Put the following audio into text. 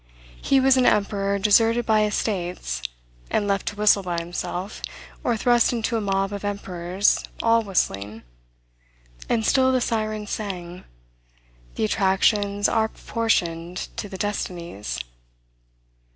He was an emperor deserted by his states, and left to whistle by himself, or thrust into a mob of emperors, all whistling: and still the sirens sang, "The attractions are proportioned to the destinies."